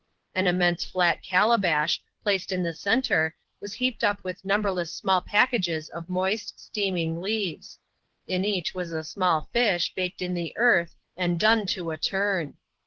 An immense flat calabash, placed in the centre, was heaped up with numberless small packages of moist, steaming leaves : in each was a small fish, baked in the earth, and done to a turn.